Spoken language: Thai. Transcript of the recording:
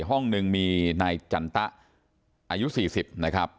ห้องหนึ่งมีนายจันตะอายุ๔๐นะครับ